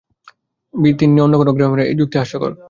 তিন্নি অন্য কোনো গ্রহের মেয়ে, এই যুক্তি হাস্যকর।